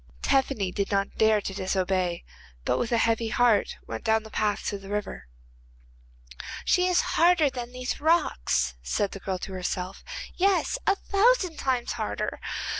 Tephany did not dare to disobey, but with a heavy heart went down the path to the river. 'She is harder than these rocks,' said the girl to herself, 'yes, a thousand times harder.